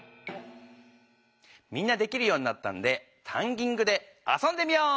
みんなできるようになったんでタンギングで遊んでみよう！